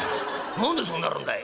何でそうなるんだい」。